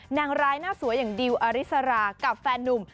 นางร้ายหน้าสวยอย่างดิวอาริสรากับแฟนนุ่ม